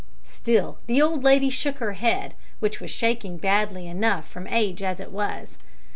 Still the old lady shook her head, which was shaking badly enough from age as it was.